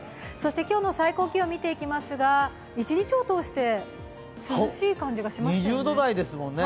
今日の最高気温を見ていきますという一日を通して涼しい感じがしましたよね。